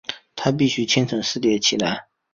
她必须清晨四点起来